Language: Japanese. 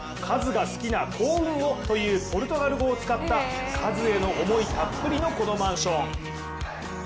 カズが好きな幸運をというポルトガル語を使った、カズへの思いたっぷりのこのマンション。